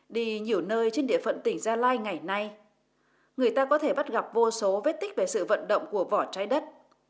đi nhiều nơi trên địa phận tỉnh gia lai ngày nay người ta có thể bắt gặp vô số vết tích về sự vận động của vỏ trái đất